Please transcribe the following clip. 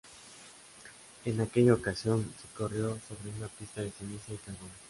En aquella ocasión se corrió sobre una pista de ceniza y carbón.